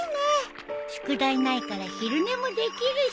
宿題ないから昼寝もできるし。